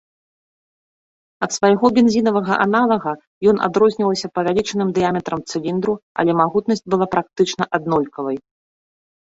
Ад свайго бензінавага аналага ён адрозніваўся павялічаным дыяметрам цыліндру, але магутнасць была практычна аднолькавай.